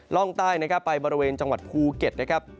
ร่องใต้นะครับไปบริเวณจังหวัดภูเก็ตนะครับ